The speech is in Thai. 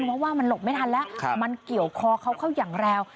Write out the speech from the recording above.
เพราะว่ามันหลบไม่ทันแล้วมันเกี่ยวคอเขาเข้าอย่างแรง